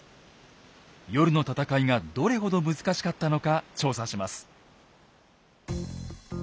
夜の戦いがどれほど難しかったのか調査します。